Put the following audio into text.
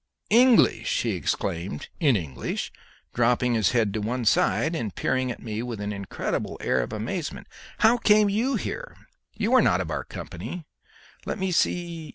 "English!" he exclaimed in English, dropping his head on one side, and peering at me with an incredible air of amazement. "How came you here? You are not of our company? Let me see..."